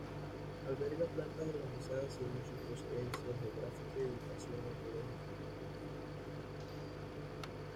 Alberga plantas organizadas según su procedencia geográfica y ubicación ecológica.